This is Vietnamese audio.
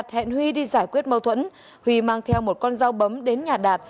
hẹn huy đi giải quyết mâu thuẫn huy mang theo một con dao bấm đến nhà đạt